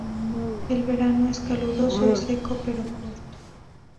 El verano es caluroso y seco pero corto.